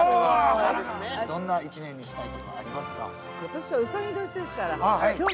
◆どんな１年にしたいとかありますか、抱負。